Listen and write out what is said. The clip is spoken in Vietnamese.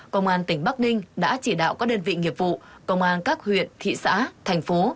công an tỉnh bắc ninh đã chỉ đạo các đơn vị nghiệp vụ công an các huyện thị xã thành phố